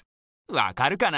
わかるかな？